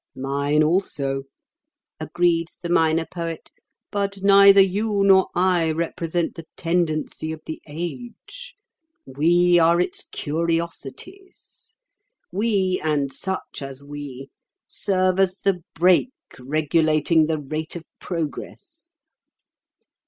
"Mine also," agreed the Minor Poet. "But neither you nor I represent the tendency of the age. We are its curiosities. We, and such as we, serve as the brake regulating the rate of progress.